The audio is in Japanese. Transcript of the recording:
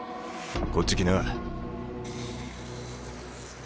こっち来な。